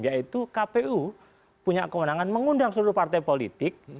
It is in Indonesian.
yaitu kpu punya kewenangan mengundang seluruh partai politik